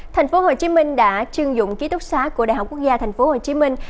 thành phố hồ chí minh đã chưng dụng ký túc xá của đại học quốc gia thành phố hồ chí minh